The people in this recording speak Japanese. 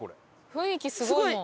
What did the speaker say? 雰囲気すごいもん。